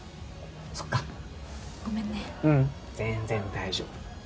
ううん全然大丈夫。